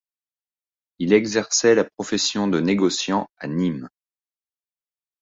Il exerçait la profession de négociant à Nîmes.